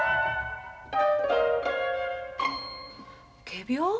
仮病？